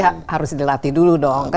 ya harus dilatih dulu dong